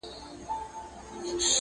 نه حیا له رقیبانو نه سیالانو،